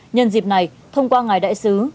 nhân dịp này thông qua ngày đại sứ